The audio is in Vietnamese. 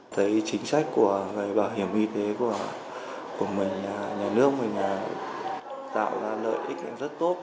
thấy chính sách về bảo hiểm y tế của mình nhà nước mình tạo ra lợi ích rất tốt